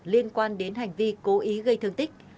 liên quan đến hành vi cố ý gây thương tích